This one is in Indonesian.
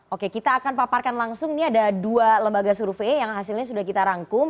oke kita akan paparkan langsung ini ada dua lembaga survei yang hasilnya sudah kita rangkum